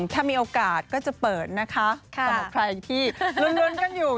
ถ้ามีโอกาสก็จะเปิดนะคะสำหรับใครที่ลุ้นกันอยู่